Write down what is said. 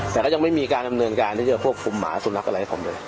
แต่ก็ยังไม่มีการดำเนินการที่จะควบคุมหมาสุนัขอะไรให้ผมเลย